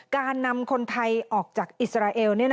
การนำคนไทยออกจากอิสราเอล